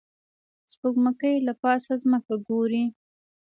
سپوږمکۍ له پاسه ځمکه ګوري